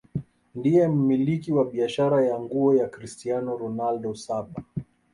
ndiye mmiliki wa biashara ya nguo ya cristian ronald saba